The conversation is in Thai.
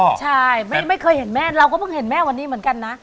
ใช่ไม่เคยเห็นแม่เราก็เพิ่งเห็นแม่วันนี้เหมือนกันนะ